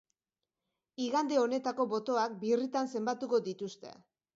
Igande honetako botoak birritan zenbatuko dituzte.